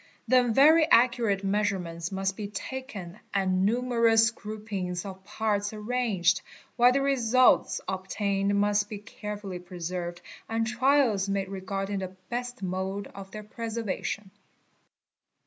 Then yery accurate measurements must be taken and numerous groupings of OF, Sabb ty Sie 1 a arts arranged, while the results obtained must be carefully preserved nd trials made regarding the best mode of their preservation.